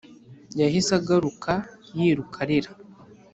Yahise ahaguruka yiruka arira.